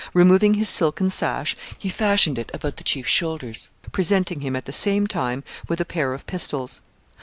Removing his silken sash, he fastened it about the chief's shoulders, presenting him at the same time with a pair of pistols.